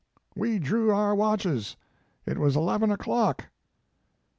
We drew our watches. It was eleven o clock."